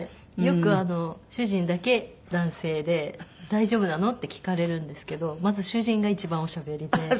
よく主人だけ男性で「大丈夫なの？」って聞かれるんですけどまず主人が一番おしゃべりで。